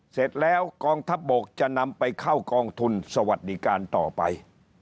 เสร็จแล้วกองทัพบกจะนำไปเข้ากองทุนสวัสดิการต่อไป